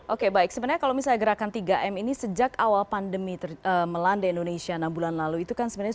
oke baik sebenarnya kalau misalnya gerakan tiga m ini sejak awal pandemi melanda indonesia enam bulan lalu itu kan sebenarnya